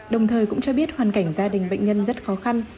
đồng thời cũng cho biết hoàn cảnh gia đình bệnh nhân rất khó khăn